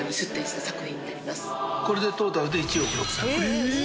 これでトータルで１億６０００万円。